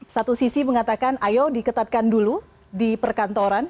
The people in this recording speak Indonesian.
satu sisi mengatakan ayo diketatkan dulu di perkantoran